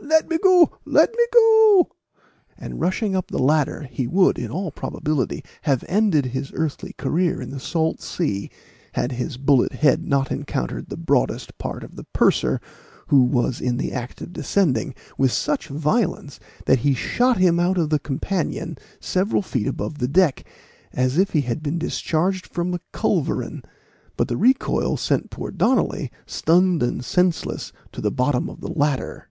Let me go let me go!" and, rushing up the ladder, he would, in all probability, have ended his earthly career in the salt sea, had his bullet head not encountered the broadest part of the purser, who was in the act of descending, with such violence, that he shot him out of the companion several feet above the deck, as if he had been discharged from a culverin; but the recoil sent poor Donnally, stunned and senseless, to the bottom of the ladder.